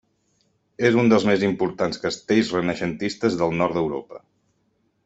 És un dels més important castells renaixentistes del Nord d'Europa.